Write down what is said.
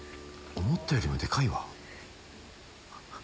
思ったよりもでかいわ。